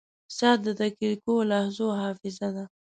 • ساعت د دقیقو لحظو حافظه ده.